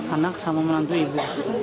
anak sama menantu ibu